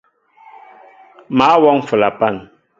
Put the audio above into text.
Mă wɔŋ flapan.